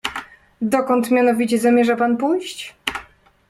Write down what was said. "Dokąd mianowicie zamierza pan pójść?"